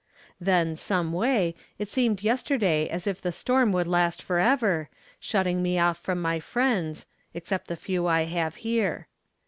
Then, someway, it seemed yesterday as if the storm would last forever, shutting me off from my friends — except the few I have here.